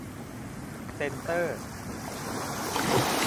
เซ็นเตอร์